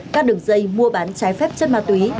các đường dây mua bán trái phép chất ma túy